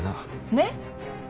「ねっ？